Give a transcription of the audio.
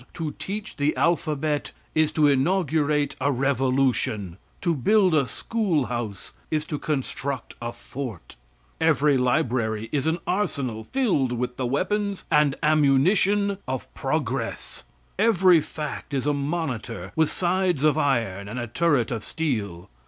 To teach the alphabet is to inaugurate a revolution; to build a schoolhouse is to construct a fort; every library is an arsenal filled with the weapons and ammunition of progress; every fact is a monitor with sides of iron and a turret of steel.